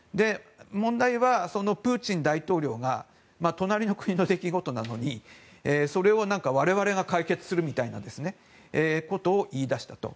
問題は、プーチン大統領が隣の国の出来事なのに我々が解決するみたいなことを言い出したと。